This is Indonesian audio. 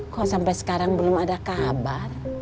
kok sampai sekarang belum ada kabar